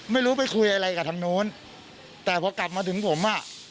ไม่รู้ไปคุยอะไรกับทางโน้นแต่พอกลับมาถึงผมอ่ะ